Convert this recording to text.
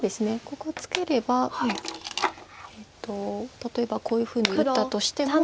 ここツケれば例えばこういうふうに打ったとしても。